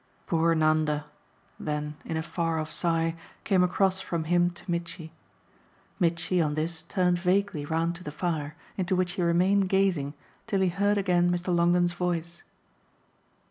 "Poor Nanda!" then, in a far off sigh, came across from him to Mitchy. Mitchy on this turned vaguely round to the fire, into which he remained gazing till he heard again Mr. Longdon's voice.